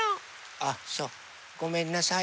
あっそうごめんなさい。